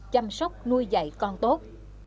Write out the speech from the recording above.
chăm sóc nuôi dạy con tốt